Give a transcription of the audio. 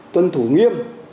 tuân thủ nghiêm